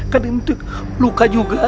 kan ini luka juga